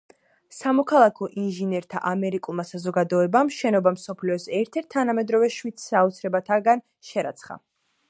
სამოქალაქო ინჟინერთა ამერიკულმა საზოგადოებამ შენობა მსოფლიოს ერთ-ერთ თანამედროვე შვიდ საოცრებათაგან შერაცხა.